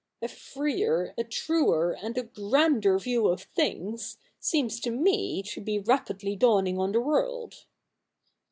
A freer, a tmer, and a grander view of things, seems to me to be rapidly dawning on the world.'